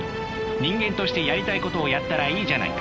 人間としてやりたいことをやったらいいじゃないか。